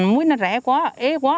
muối nó rẻ quá ế quá